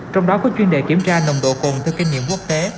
trong đó có chuyên đề kiểm tra nồng độ cồn từ kinh nghiệm quốc tế